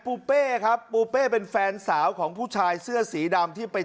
ปูเป้ครับปูเป้เป็นแฟนสาวของผู้ชายเสื้อสีดำที่ไป